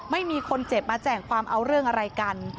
ไม่มีคนเจ็บมาแจ่งความเอาเรื่องอะไรกัน